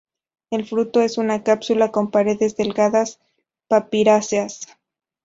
El fruto es una cápsula con paredes delgadas, papiráceas.